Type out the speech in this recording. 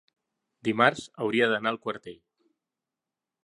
Dimarts hauria d'anar a Quartell.